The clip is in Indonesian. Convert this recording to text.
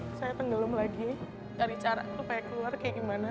terus saya tenggelam lagi cari cara supaya keluar kayak gimana